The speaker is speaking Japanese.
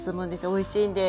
おいしいんです。